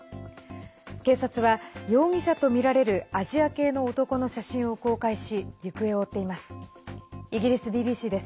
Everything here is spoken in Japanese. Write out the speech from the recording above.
警察は容疑者とみられるアジア系の男の写真を公開し行方を追っています。